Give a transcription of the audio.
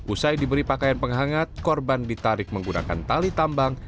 usai diberi pakaian penghangat korban ditarik menggunakan tali tambang